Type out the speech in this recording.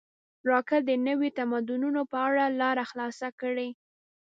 راکټ د نویو تمدنونو په لور لاره خلاصه کړې